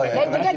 dan juga gini